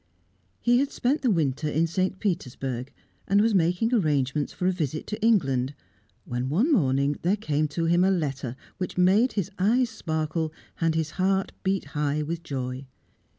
He had spent the winter in St. Petersburg, and was making arrangements for a visit to England, when one morning there came to him a letter which made his eyes sparkle and his heart beat high with joy.